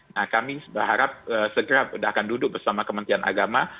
nah kami berharap segera akan duduk bersama kementerian agama